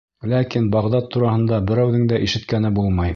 Ләкин Бағдад тураһында берәүҙең дә ишеткәне булмай.